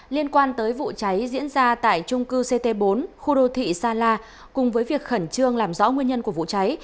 liên quan tới vụ cháy diễn ra tại trung cư ct bốn khu đô thị sa la cùng với việc khẩn trương làm rõ nguyên nhân của vụ cháy